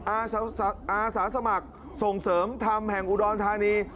อาสาสมัครส่งเสริมธรรมแห่งอุดรธานี